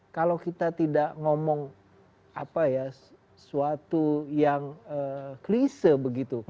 kalau kita tidak ngomong suatu yang klise begitu